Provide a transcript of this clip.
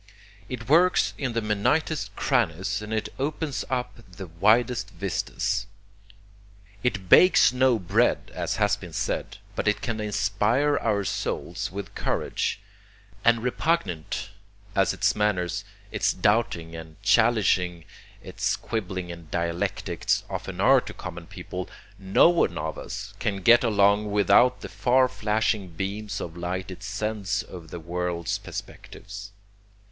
It works in the minutest crannies and it opens out the widest vistas. It 'bakes no bread,' as has been said, but it can inspire our souls with courage; and repugnant as its manners, its doubting and challenging, its quibbling and dialectics, often are to common people, no one of us can get along without the far flashing beams of light it sends over the world's perspectives.